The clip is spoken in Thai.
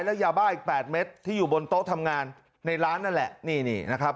และยาบ้าอีก๘เม็ดที่อยู่บนโต๊ะทำงานในร้านนั่นแหละนี่นี่นะครับ